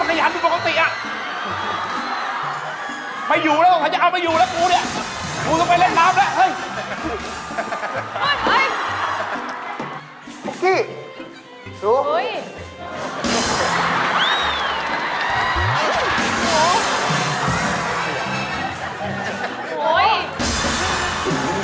หนูว่านูเอาไปขายให้เจ๊ดีมั้ยพี่